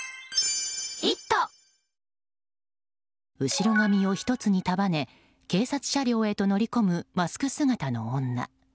後ろ髪を１つに束ね警察車両へと乗り込むマスク姿の女。